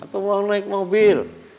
atau mau naik mobil